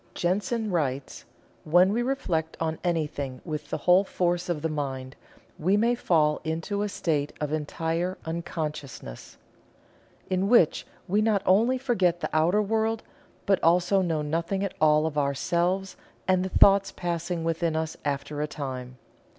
Jensen writes: "When we reflect on anything with the whole force of the mind, we may fall into a state of entire unconsciousness, in which we not only forget the outer world, but also know nothing at all of ourselves and the thoughts passing within us after a time.